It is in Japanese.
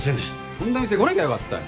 こんな店来なきゃよかったよ。